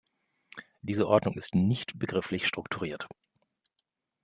Diese Ordnung ist nicht begrifflich strukturiert.